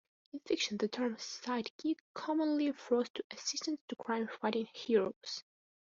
In fiction, the term "sidekick" commonly refers to assistants to crime-fighting heroes.